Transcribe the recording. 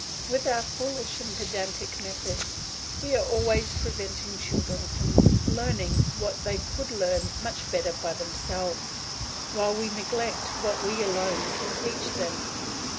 With our foolish and pedantic methods we are always preventing children from learning what they could learn much better by themselves, while we neglect what we alone can teach them.